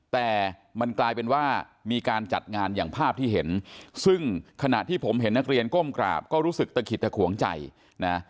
แต่มันกลายเป็นว่ามีการจัดงานอย่างภาพที่เห็นซึ่งขณะที่ผมเห็นนักเรียนก้มกราบก็รู้สึกตะขิดตะขวงใจนะ